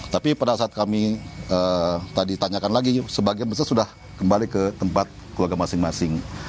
tapi pada saat kami tadi tanyakan lagi sebagian besar sudah kembali ke tempat keluarga masing masing